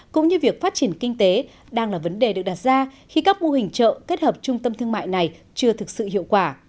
cũng như việc phát triển kinh tế đang là vấn đề được đặt ra khi các mô hình chợ kết hợp trung tâm thương mại này chưa thực sự hiệu quả